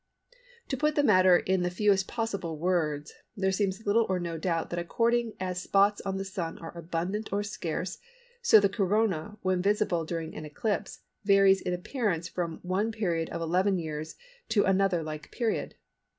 To put the matter in the fewest possible words there seems little or no doubt that according as spots on the Sun are abundant or scarce so the Corona when visible during an eclipse varies in appearance from one period of eleven years to another like period.